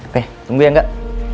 oke tunggu ya enggak